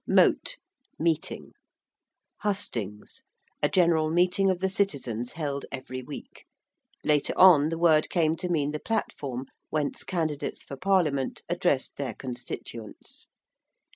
~mote~: meeting. ~hustings~: a general meeting of the citizens held every week; later on the word came to mean the platform whence candidates for parliament addressed their constituents.